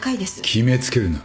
決め付けるな。